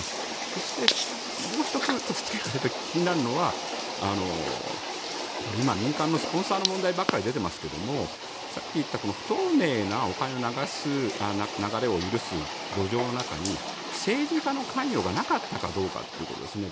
そして、もう１つ付け加えて気になるのは今、民間のスポンサーの問題ばかり出ていますがさっき言った不透明なお金の流れを許す土壌の中に政治家の関与がなかったかどうかということですね。